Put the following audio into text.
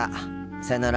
さようなら。